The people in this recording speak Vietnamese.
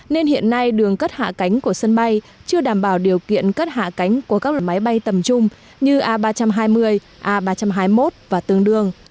nên hiện nay đường cất hạ cánh của sân bay chưa đảm bảo điều kiện cất hạ cánh của các loại máy bay tầm trung như a ba trăm hai mươi a ba trăm hai mươi một và tương đương